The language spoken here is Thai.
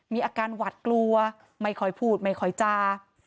มีอาการหวัดกลัวไม่ค่อยพูดไม่ค่อยจา